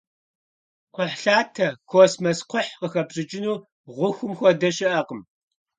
Кхъухьлъатэ, космос кхъухь къыхэпщӀыкӀыну гъухум хуэдэ щыӀэкъым.